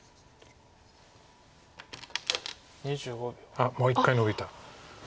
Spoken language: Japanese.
あっもう一回ノビた。